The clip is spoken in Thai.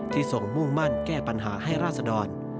ทรงมุ่งมั่นแก้ปัญหาให้ราศดร